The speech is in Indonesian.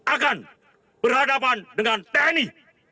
akan berhadapan dengan tni